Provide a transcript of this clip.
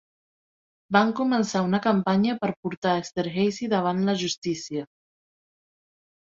Van començar una campanya per portar Esterhazy davant la justícia.